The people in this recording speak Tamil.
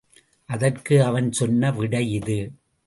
அதற்கு அவன் சொன்ன விடை இது.